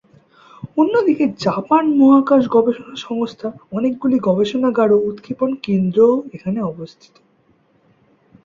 অন্যদিকে জাপান মহাকাশ গবেষণা সংস্থার অনেকগুলি গবেষণাগার ও উৎক্ষেপণ কেন্দ্রও এখানে অবস্থিত।